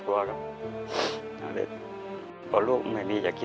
เพราะลูกไม่มีจะคิด